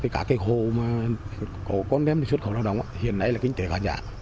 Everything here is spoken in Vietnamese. cả cái hồ mà con đem xuất khẩu lao động hiện nay là kinh tế khả giả